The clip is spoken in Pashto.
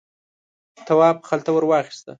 تواب خلته ور واخیسته.